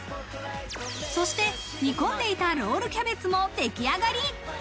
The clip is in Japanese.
そして煮込んでいたロールキャベツも出来上がり。